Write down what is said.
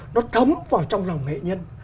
nó thấm vào trong lòng nghệ nhân